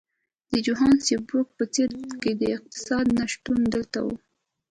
د جوهانسبورګ په څېر د کا اقتصاد نه شتون دلته وو.